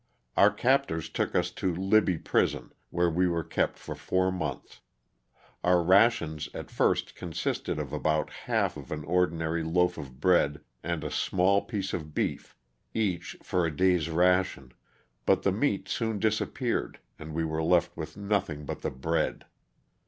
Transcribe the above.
Our captors took us to Libby prison, where we were kept for four months. Our rations at first consisted of about half of an ordinary loaf of bread and a small piece of beef, each, for a day's ration, but the meat soon disappeared and we were left with noth ing but the bread.